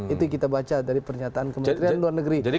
itu kita baca dari pernyataan kementerian luar negeri